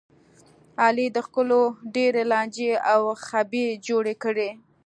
علي د خلکو ډېرې لانجې او خبې جوړې کړلې.